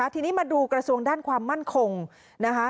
ทีนี้มาดูกระทรวงด้านความมั่นคงนะคะ